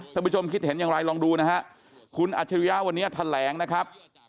ผู้ชมคิดเห็นอย่างไรลองดูนะฮะคุณอัจฉริยะวันนี้แถลงนะครับ